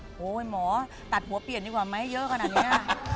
โอ้โหหมอตัดหัวเปลี่ยนดีกว่าไหมเยอะขนาดนี้